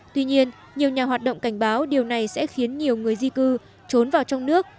tuy nhiên nhiều nhà hoạt động cảnh báo điều này sẽ khiến nhiều người di cư trốn vào trong nước